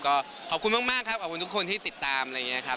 ก็ขอบคุณมากครับขอบคุณทุกคนที่ติดตามอะไรอย่างนี้ครับ